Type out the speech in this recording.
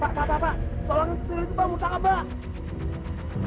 pak pak pak soalnya tuyul itu bangun sama pak